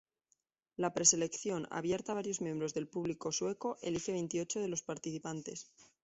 Una preselección, abierta a varios miembros del público sueco, elige veintiocho de los participantes.